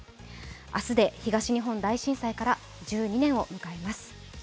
明日で東日本大震災から１２年を迎えます。